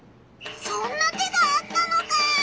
そんな手があったのか。